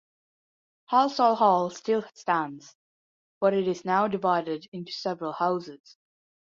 Halsall Hall still stands, but it is now divided into several houses.